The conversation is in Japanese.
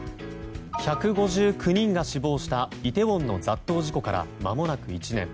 １５９人が死亡したイテウォンの雑踏事故からまもなく１年。